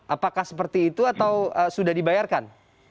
apakah seperti itu atau sudah dibayarkan